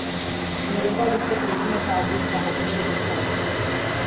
امریکہ اور اس کے تمام اتحادی اس جہاد میں شریک کار تھے۔